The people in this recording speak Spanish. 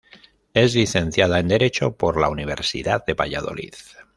Es licenciada en Derecho por la Universidad de Valladolid.